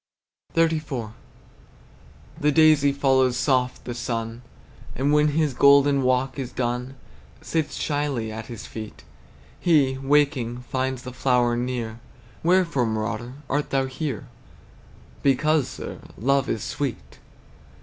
XXXIV. The daisy follows soft the sun, And when his golden walk is done, Sits shyly at his feet. He, waking, finds the flower near. "Wherefore, marauder, art thou here?" "Because, sir, love is sweet!"